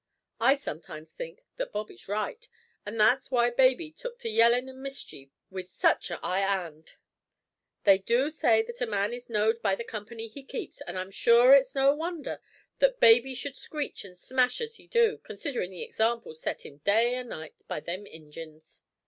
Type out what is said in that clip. I sometimes think that Bob is right, an' that's w'y baby have took to yellin' an' mischief with such a 'igh 'and. They do say that a man is knowd by the company he keeps, and I'm sure it's no wonder that baby should screech an' smash as he do, considerin' the example set 'im day an' night by them ingines."